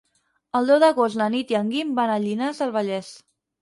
El deu d'agost na Nit i en Guim van a Llinars del Vallès.